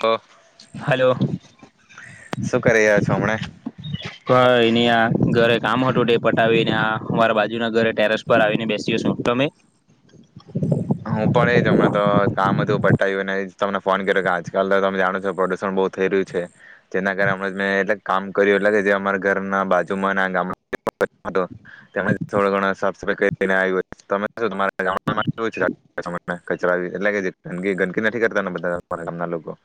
તો, હલો [unintelligible] શું કરી રહ્યા છો હમણાં. કંઈ ની આ, ઘરે કામ હતું તે પટાવીને આ અમારા બાજુના ઘરે ટેરેસ પર આવીને બેસીયો છું, તમે? હું પણ એ જ, હમણાં તો કામ હતું, પટાયવું ને એ જ તમને ફોન કર્યો કે આજકાલ તો તમે જાણો છો પ્રદૂષણ બહુ થઈ રહ્યું છે, જેના કારણે હમણાં જ મેં એટલે જ કામ કર્યું એટલેકે જે અમારા ઘરના બાજુમાં ના ગામ [unintelligible] થોડો ઘણો સાફ સફાઈ કરીને આયવો, તમે? [unintelligible] તમારા ગામડામાં? કચરા [unintelligible] એટલે જે ગંદ ગંદકી નથી કરતા ને, બધા તમારા ગામના લોકો?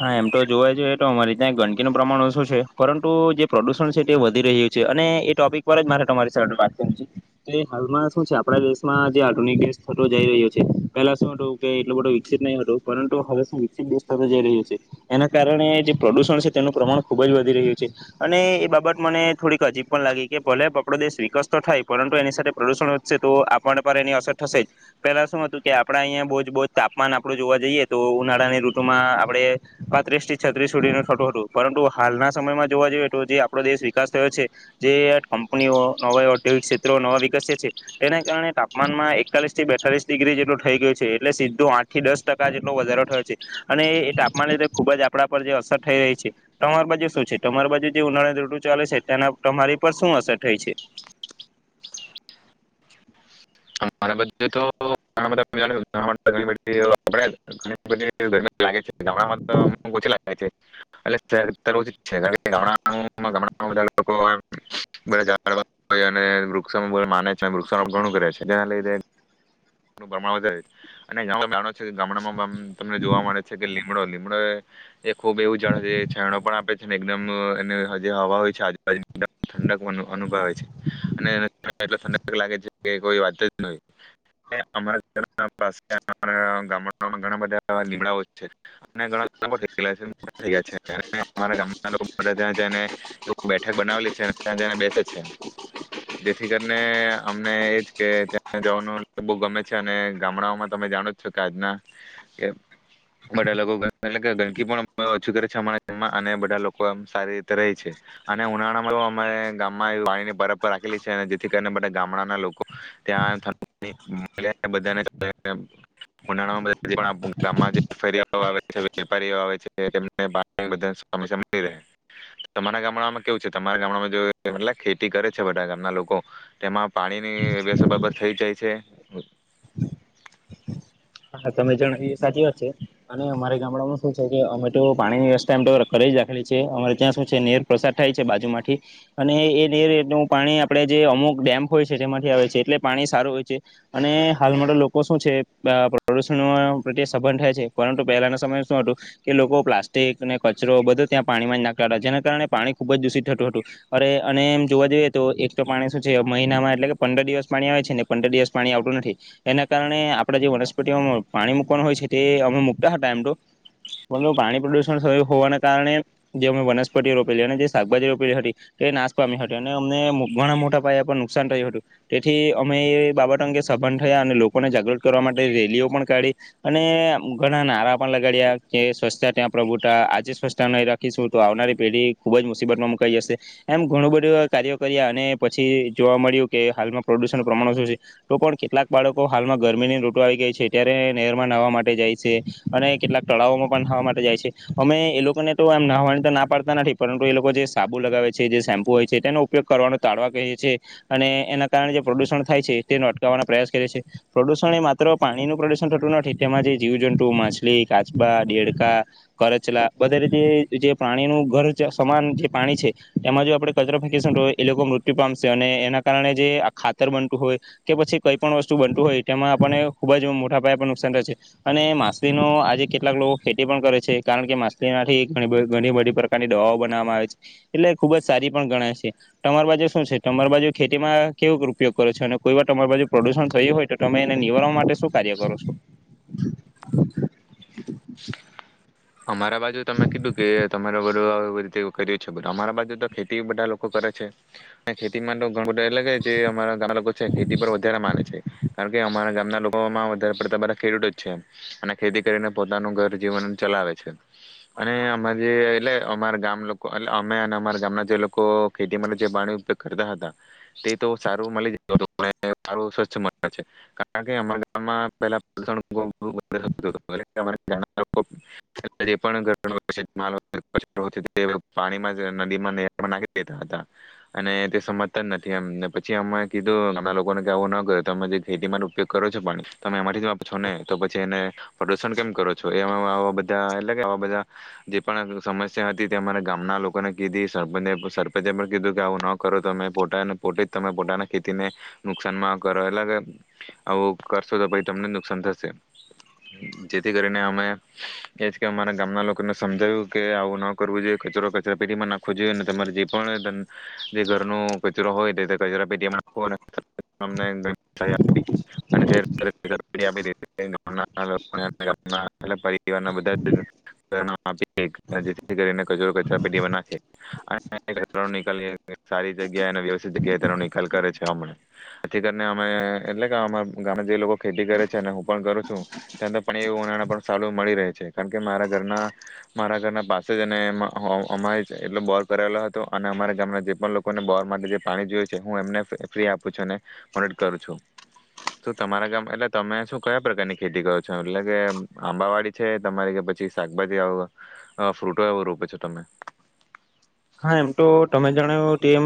હા, એમ ટો જોવા જએ ટો અમારી ત્યાં ગંદકીનું પ્રમાણ ઓછું છે, પરંતુ જે પ્રદૂષણ છે તે વધી રહ્યું છે, અને એ ટોપિક પર જ મારે તમારી સાથે વાત કરું છે. કે હાલમાં શું છે આપણા દેશમાં જે આધુનિક દેશ થતો જઈ રહ્યો છે, પેલા શું હતું કે એટલું બધું વિકસિત નહીં હતું, પરંતુ હવે શું વિકસિત દેશ થતો જઈ રહ્યો છે. છે, એના કારણે જે પ્રદુષણ છે, તેનું પ્રમાણ ખૂબ જ વધી રહ્યું છે, અને એ બાબત મને થોડીક અજીબ પણ લાગી, કે ભલે આપણો દેશ વિકસતો થાય પરંતુ એની સાથે પ્રદૂષણ વધશે તો આપણને પર એની અસર થશે જ, પેલા શું હતું કે આપણા અહીંયા બહુ જ બહુ જ તાપમાન આપડું જોવા જઈએ તો ઉનાળાની ઋતુમાં આપણે પાંત્રીસથી છત્રીસ સુધીન થતું હતું, પરંતુ હાલના સમયમાં જોવા જઈએ, તો જે આપણો દેશ વિકાસ થયો છે, જે કંપનીઓ નવા ઔદ્યોગિક ક્ષેત્રો નવા વિકસ્યા છે તેના કારણે તાપમાનમાં એકતાલીસ થી બેતાલીસ ડિગ્રી જેટલું થઈ ગયું છે, એટલે સીધું આઠ થી દસ ટકા જેટલો વધારો થયો છે અને એ તાપ માનને લીધે ખૂબ જ આપણા પર જે અસર થઈ રહી છે, તમારી બાજુ શું છે, તમારી બાજુ જે ઉનાળાની ૠતુ ચાલે છે, તેના તમારી પર શું અસર થઈ છે? મારા બધે તો ઘણાબધા [unintelligible] અને બધી રીતે લાગે છે, ગામડામાં તો અમુક ઓછી એટ ઓછું છે [unintelligible] વધુ ઝાડ લોકો વૃક્ષને છેૃક્ષ ઘણું કરે છે એના લીધે [unintelligible] અને ગામ ગ ગામડામાં તમને જોવા મળે છે, કે લીમડો લીમડો એ ખુબ એવું જાડ છે જે છેડો પણ આપે છે, એકદમ એ જે હવા હોય છે આજુબાજુ ઠંડક અનુભવે છે અને એ ઠંડક લાગે છે કે કોઈ વાત અજ નાઈ. ને અમારા ગામડા પાસે ઘણા બધા લીમડાઓ છે. ને ઘણા ગામમાં પણ છે. અમારા ગામના લોકો બધા ત્યાં જઈને ત્યાં જને બેઠક બનાવેલી છે. ત્યાં જને બેસે છે. જેથી કરીને અમને એજ કે તં જવાનું બ ગમે છે અને ગામડાઓમાં તમે જાણો છો કે આજના કે બધા લોકો એટલે કે ગંદકી પણ ઓછી કરે છે. અમારા ગામમાં અને બધા લોકો એમ સારી રીતે રેય છે. અને ઉનાળામાં અમારા ગામમાં પાણી ની પરબ પણ રાખેલી છે, અને જેથી કરીને બધા ગામડાના લોકો ત્યાં [unintelligible] ઉનાળામાં ગામમાં જે ફેરિયાઓ આવે છે, વેપારીઓ આવે છે તેમને પાણીની [unintelligible] સમસ્યા મળી રહે તમારા ગામડામાં કેવું છે? તમારા ગામડામાં ખેતી કરે છે બધા ગામના લોકો તેમાં પાણીની વ્યવસ્થા બરાબર થઈ જાય. છે. હા તમે જણ એ સાચી વાત છે, અને અમારે ગામડામાં શું છે કે અમે તો પાણીની વ્યવસ્થા એમ તો કરેલી જ રાખેલી છે. અમારે ત્યાં શું છે કે નહેર પ્રસાર થાય છે. બાજુમાંથી અને એ નહેર નું પાણી આપડે જે અમુક ડેમ હોય છે, તેમાંથી આવે છે એટલે પાણી સારું હોય છે, અને હાલમાં લોકો શું છે. પ્રદૂષણો પ્રત્યે સંબંધ થાય છે. પરંતુ પહેલાના સમય શું હતું કે લોકો પ્લાસ્ટિક ને કચરો બધો ત્યાં પાણીમાં જ નાખતા હતા. જેના કારણે પાણી ખુબ જ દૂષિત થતું હતું અરે અને એમ જોવા જઈએ તો એક તો પાણી શું છે મહિનામાં એટલે કે પંદર દિવસ પાણી આવે છે ને પંદર દિવસ પાણી આવતું નથી એના કારણે આપણે જે વરસ પણ તેમાં પાણી મકવાનું હોય છે, તે અમે મૂકતા હતા એમ તો પણ પાણી પ્રદુષણ થયું હોવાને કારણે જે અમે વનસ્પતિ રોપેલી, અને જે શાકભાજી રોપેલી હતી તે નાશ પામી હતી. અને અમને ઘણા મોટા પાયા પર નુકસાન થયું હતું. તેથી અમે એ બાબત અંગે સભન થયા અને લોકોને જાગૃત કરવા માટે રેલીઓ પણ કાઢી અને ઘણા નારા પણ લગાડ્યા કે સ્વચ્છતા ત્યાં પ્રભુતા. આજે સ્વચ્છતા નહી રાખીશું તો આવનારી પેઢી ખુબ જ મુસીબત માં મુકાઈ જશે એમ ઘણું બધું કાર્યો કર્યા અને પછી જોવા મળ્યું કે હાલમાં પ્રદુષણ પ્રમાણ ઓછું છે. તો પણ કેટલાક બાળકો હાલમાં ગરમીની ઋતુ આવી ગઈ છે. ત્યારે નહેરમાં નહવા માટે જાય છે, અને કેટલાક તળાવમાં પણ નહાવા માટે જાય છે અમે એ લોકોને તો એમ નહવાની તો ના પાડતા નથી પરંતુ એ લોકો જે સાબુ લગાવે છે જે શેમ્પુ હોય છે, તેનો ઉપયોગ કરવાનો તાળવા કહીએ છે, અને એના કારણે જે પ્રદુષણ થાય છે તેનો અટકાવવાનો પ્રયાસ કરે છે. પ્રદુષણ એ માત્ર પાણીનું પ્રદુષણ થતું નથી તેમાં જે જીવજંતુ માછલી, કાચબા, ડેળકા, કરચલા વગેરે જે જે પ્રણીનું ઘર સમાન જે પાણી છે, એમાં જો આપણેે કચરો ફેંકીશું તો એ લોકો મૃત્યુ પામશે અને એના કારણે જે આ ખાતર બનતું હોય કે પછી કઈ પણ વસ્તુ બનતું હોય તેમાં આપણે ખૂબ જ મોટા પાયા પર નુકસાન થાય છે. અને માછલીનું આજે કેટલાક લોકો ખેતી પણ કરે છે, કારણ કે માછલીમાંથી ઘણી, ઘણી બધી પ્રકારની દવાઓ બનાવામાં આવે છે, એટલે ખૂબ જ સારી પણ ગણાય છે. તમારો આજે શું છે તમારા બાજુ શું છે, ટમર બાજુ ખેતી માં કેવો ઉપયોગ કરે છે અને કોઈ વાર ટમર બાજુ પ્રદુષણ થયું હોય તો તમે એને નિવારવા માટે શું કાર્ય કરો છો? અમારા બાજુ તમે કીધું કે તમારે બધું રીતે કર છે. અમારા બાજુ તો ખેતી બધા લોકો કરે છે અને ખેતીમાં તો ઘણ બધું એ લાગે જે અમારા ગામના લોકો છે ખેતી પર વધારે માને છે કારણ કે અમારા ગામમાં ઘણા લોકોમાં વધારે પડતા બધા ખેડૂતો જ છે અને ખેતી કરીને પોતાનું ઘર જીવન ચલાવે છે. અને અ જે એટલે અમારા ગામ લોકો એટલે અમે અમારા ગામના જે લોકો ખેતી માટે જે પાણી ઉપયોગ કરતા હતા તે તો સારું મળી જતું હતું સાર સ્વચ્છ છે, કારણ કે અમારા ગામમાં પેલા [unintelligible] [inaudible] [unintelligible] પાણી માજ નદીમાં નાખી દેતા હતા અને તે સમજતા જ નથી એમને પછી અમે કીધુ ઘણા લોકોને આવું ન કર તમે જે ખેતી માટે ઉપયોગ કરો છો પાણી તમે એમાંથી છો ને તો પછી એને પ્રદુષણ કેમ કરો છો એ બ એટલે કે આવા બધા જે પણ સમસ્યા હતી તે અમારે ગામના લોકોને કીધી સરપંચે પણ કીધું કે આવું ન કરો તમે પોતે પોતે જ તમે પોતાના ખેતીને નુકસાનમાં કરો એટલે કે આવું કરશો તો ભાઈ તમને નુકસાન થશે જેથી કરીને અમે એ જ કે અમારા ગામના લોકોને સમજાવ્યું કે આવું ન કરવું જોઈએ કચરો કચરા પેટીમાં નાખવો જોઈએ, તમારે જે પણ જે ઘરનો કચરો હોય તે કચરા પેટીમાં નાખો પરરના [unintelligible] [unintelligible] કચરો કચરાપેટીમાં જ નાખીયે સારી જગ્યા અને વ્યવસ્થિત જગ્યાએ તેનો નિકાલ કરે છે હમણાં ખેતરની અને એટલે કે અ ગામ જે લોકો ખેતી કરે છે અને હું પણ કરું છું ત્યા એવુ સારું મળી રહે છે કારણ કે મારા ઘરના, મારા ઘરના પાસે જ અને અમારે એટલો બોર કરાવેલો હતો અને અમારા ગામના જે પણ લોકોને બોર માટે જે પાણી જોયું છે હું એમને ફ્રી આપું છું અને મદદ કરું છું તો તમારા ગામ એટલે તમે શું કયા પ્રકારની ખેતી કરો છો એટલે કે આંબાવાડી છે તમારી કે પછી શાકભાજી આવ ફ્રૂટો આવો રોપે છો તમે? હા એમ તો તમે જણાવો તેમ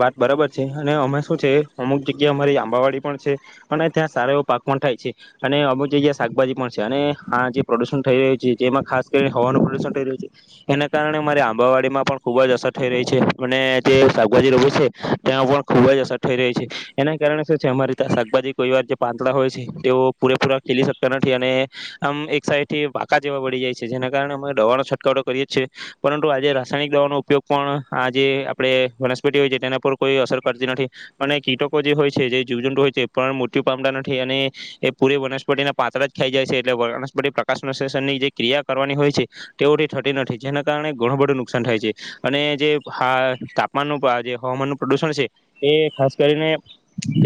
વાત બરાબર છે અને અમે શું છે અમુક જગ્યા અમારી આંબાવાડી પણ છે અને ત્યાં સારા એવો પાક પણ થાય છે અને અમુક જગ્યા શાકભાજી પણ છે અને હા જે પ્રદુષણ થઈ રહ્યું છે જેમાં ખાસ કરીને હવાનું પ્રદુષણ થઈ રહ્યું છે એના કારણે અમારે આંબાવાડીમાં પણ ખૂબ જ અસર થઈ રહી છે અને જે શાકભાજી રોપી છે ત્યાં પણ ખૂબ જ અસર થઈ રહી છે એના કારણે શું છે અમારી શાકભાજી કોઈ વાર જે પાંતળા હોય છે તેઓ પૂરેપૂરા ખીલી શકતા નથી અને આમ એક સાઈડ થી પાકા જેવા પડી જાય છે જેના કારણે અમે દવાનો છંટકાવટો કરીએ જીએ પરંતુ આજે રાસાણિક દવનો ઉપયોગ પણ આ જે આપે વનસ્પતિ હોય છે તેના પર કોઈ અસર કરતી નથી અને કીટકો જે હોય છે જે જીવજંડુ હોય છે એ પણ મૃત્યુ પામતા નથી અને એ પૂરી વનસ્પતિના પાત્ર જ ખાઈ જાય છે એટલે વનસ્પતિ પ્રકાશ ની જે ક્રિયા કરવાની હોય છે તેઓ થતી નથી જેના કારણે ઘણું બધું થાય છે અને જે હ તાપમાનનું જે હવામાનનું પ્રદુષણ છે એ ખાસ કરીને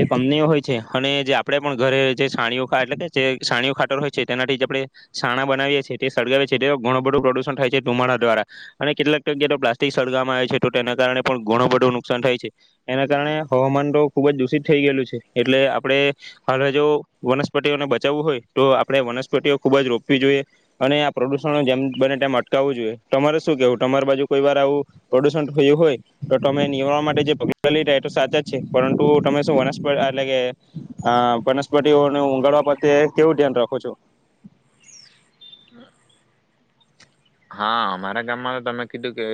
જે કંપનીઓ હોય છે અને જે આપણે પણ ઘરે જે સાણીઓ એટલે કે જે સાણીઓ ખાટર હોય છે તેનાથી આપણે સાણા બનાવીએ છીએ તે સળગાવએ છે તે ઘણું બધું પ્રદુષણ થાય છે ટુમાડા દ્વારા અને કેટલાક ટગ્યા તો પ્લાસ્ટિક સળગાવવામાં આવે છે તો તેના કારણે પણ ઘણું બધું નુકસાન થાય છે એના કારણે હવામાન તો ખૂબ જ દૂષિત થઈ ગયેલું છે એટલે આપણે હાલ જો વનસ્પતિઓને બચાવવું હોય તો આપણે વનસ્પતિઓ ખૂબ જ રોપવી જોઈએ અને આ પ્રદૂષણો જેમ બને તેમ અટકાવવું જોઈએ તમારે શું કેવું તમારી બાજુ કોઈ વાર આવું પ્રદુષણ થયું હોય તો તમે નિવારવા માટે જે પગલા લ રહ્યા એ તો સાચા જ છે પરંતુ તમે શું વનસ્પતિ એટલે કે આ વનસ્પતિઓને ઊગાળવા પ્રત્યે કેવું ધ્યાન રાખો છો? હા મારા ગામમાં તો તમે કીધું કે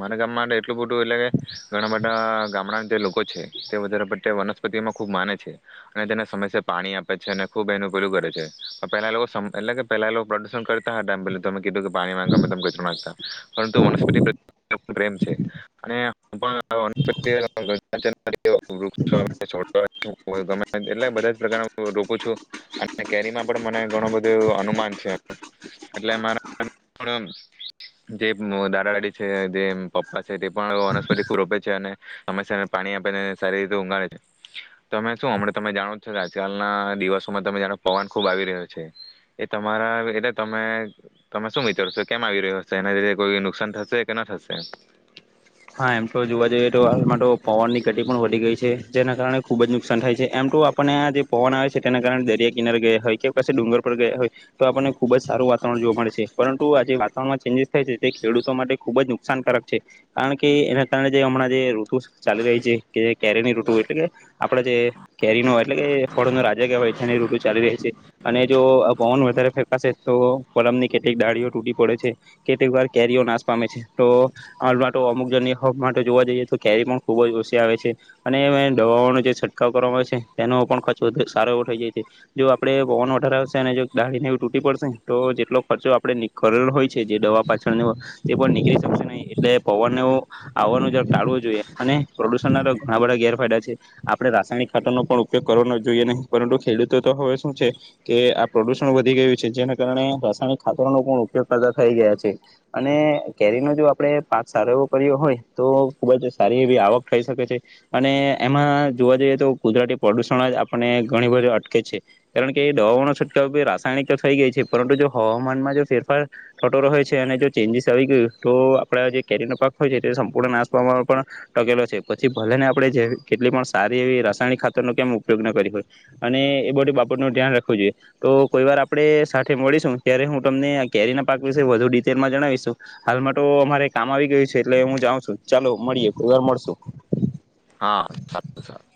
મારા ગામમાં એટલું બધું એટલે કે ઘણા બધા ગામડા જે લોકો છે તે વધારે પ્રત્યય વનસ્પતિમાં ખુબ માને છે અને તેને સમસ્યા પાણી આપે છે અને ખુબ એનું પેલું કરે છે પેલા લોકો એટલે કે પેલા લોકો પ્રદુષણ કરતા હતા પેલું તમે કીધું કે પાણીમે ગમેતેમ કચરો નાખતા પરંતુ વનસ્પતિ પ્રેમ છે અને બધા રોપું છું અને કેરીમાં પણ મને ઘણું બધું અનુમાન છે એટલે મારા જે દાદા દાદી છે જે પપ્પા છે તે પણ વનસ્પતિ ખુબ રોપે છે અને હંમેશાને પાણી આપેને સારી રીતે ઊગાળે છે તમે શું હમણાં તમે જાણો જ છ કે આજકાલના દિવસોમાં તમે જાણો પવન ખુબ આવી રહ્યો છે એ તમારા એવીરીતે તમે તમે શું વિચારો છો, કેમ આવી રહ્યો હશે એના લીધે કોઈ નુકસાન થશે કે ન થશે? હા એમ તો જોવા જઈએ તો હાલમાં તો પવન ની ઘટી પણ વધી ગઈ છે જેના કારણે ખુબ જ નુકસાન થાય છે એમ તો આપણને આ જે પવન આવે છે તેના કારણે દરિયા કિનારે ગયા હોય કે પછી ડુંગર પર ગયા હોય તો આપણને ખુબ જ સારું વાતાવરણ જોવા મળેશે પરંતુ આજે વાતાવરણમાં ચેન્જજીસ થાય છે તે ખેડતો માટે ખુબ જ નુકસાનકારક છે. કારણ કે એના કારણે જે હમણાં જે ઋતુ ચાલી રહી છે કે જે કેરીની ઋતુ એટલે કે આપણે જે કેરી નો એટ કે એ ફળો રાજા કેવાય. કરીની ઋતુ ચાલી રહી છે અને જો પવન વધારે ફેંકાશે તો પલમ ની કેટલીક દાળીઓ તૂટી પડે છે કેટલીક વાર કેરીઓ નાશ પામે છે તો તો અમુક જન્ય માટે જોવા જઈએ તો કેરી પણ ખૂબ જ ઓછી આવે છે અને દવાઓનો જે છંટકાવ કરવામાં આવે છે તેનો પણ ખર્ચો વધ સારો એવો થઈ જાય છે જો આપડણે પવનો વધાર આવશે અને જો દાળીને એ તૂટી પડશે તો જેટલો ખર્ચો આપણે કરેલ હોય છે જે દવા પાછળનો તે પણ નીકળી શકશે નહીં એટલે પવનનો આવનો જ ટાળવો જોઈએ અને પ્રદુષણના ઘણા બધા ગેરફાયદા છે આપણે રાસાયણિક ખાતરનો પણ ઉપયોગ કરવાનો જોઈએ નહીં પરંતુ ખેડૂતો તો હવે શું છે કે આ પ્રદુષણ વધી ગયું છે જેના કારણે રાસાયણિક ખાતરનો પણ ઉપયોગ કરતા થઈ ગયા છે અને કેરીનો જો આપણે પાક સારો એવો કર્યો હોય તો ખૂબ જ સારી એવી આવક થઈ શકે છે અને એમાં જોવા જઈએ તો ગુજરાતી પ્રદૂષણ અજ આપણને ઘણી બધી અટકે છે કારણ કે એ દવાઓનો છટકાવો રાસાયણિક તો થઈ ગઈ છે પરંતુ જો હવામાનમાં જો ફેરફાર થતો રહે છે અને જો ચેન્જીસ આવી ગયું તો આપણા જે કેરીનો પાક હોય છે તે સંપૂર્ણ નાશ પાવામાં પણ ટકેલો છે પછી ભલેને આપણે જે કેટલી પણ સારી એવી રાસાયણિક ખાતરનો કેમ ઉપયોગ ન કરી હોય અને એ બધી બાબતનું ધ્યાન રાખવું જોઈએ તો કોઈ વાર આપણે સાથે મળીશું ત્યારે હું તમને કેરીના પાક વિશે વધુ ડિટેલમાં જણાવીશું હાલમાં તો અમારે કામ આવી ગયું છે એટલે હું જાઉં છું ચાલો મળીએે કેવાર મળશું. હા સારું સારું.